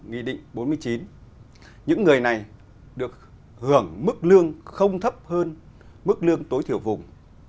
nghị định bốn mươi chín những người này được hưởng mức lương không thấp hơn mức lương tối thiểu vùng